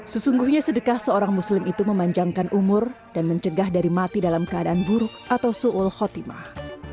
sesungguhnya sedekah seorang muslim itu memanjangkan umur dan mencegah dari mati dalam keadaan buruk atau suul khotimah